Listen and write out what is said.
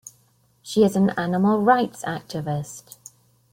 She is an animal rights activist.